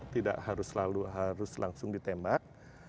tidak harus selalu harus langsung ditembak